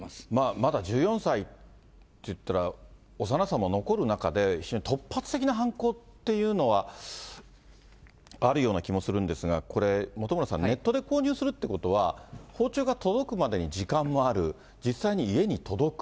まだ１４歳っていったら、幼さも残る中で、突発的な犯行というのは、あるような気もするんですが、これ本村さん、ネットで購入するということは、包丁が届くまでに時間もある、実際に家に届く。